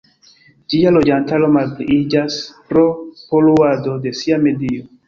Ĝia loĝantaro malpliiĝas pro poluado de sia medio.